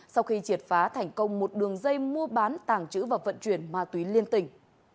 sau khi triệt phá thành công một đường dây mua bán tàng trữ và vận chuyển ma túy liên tỉnh